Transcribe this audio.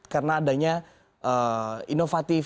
karena adanya inovatif